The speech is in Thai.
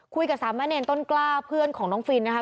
คุยกับสามแม่เนนต้นกล้าเพื่อนของน้องฟินนะคะ